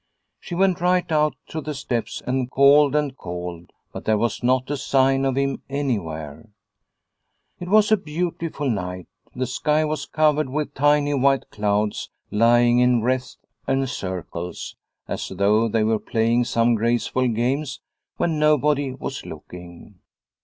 She went right out to the steps and called and called, but there was not a sign of him any where. It was a beautiful night. The sky was covered with tiny white clouds lying in wreaths and circles as though they were playing some grace ful games when nobody was looking.